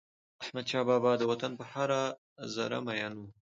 احمدشاه بابا د وطن پر هره ذره میین و.